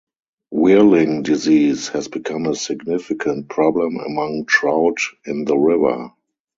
Whirling disease has become a significant problem among trout in the river.